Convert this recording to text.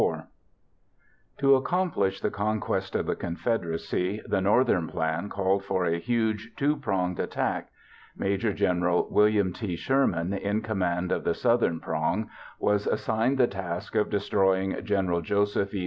_] UNION STRATEGY 1864 To accomplish the conquest of the Confederacy, the Northern plan called for a huge two pronged attack. Maj. Gen. William T. Sherman, in command of the southern prong, was assigned the task of destroying Gen. Joseph E.